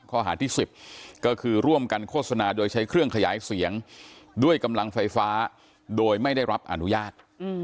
ข้อหาที่๑๐ก็คือร่วมกันโฆษณาโดยใช้เครื่องขยายเสียงด้วยกำลังไฟฟ้าโดยไม่ได้รับอนุญาต